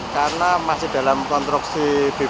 karena masih dalam konstruksi